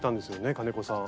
金子さん。